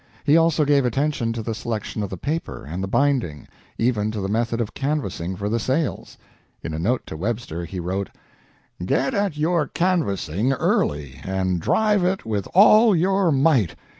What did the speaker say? He also gave attention to the selection of the paper and the binding even to the method of canvassing for the sales. In a note to Webster, he wrote: "Get at your canvassing early and drive it with all your might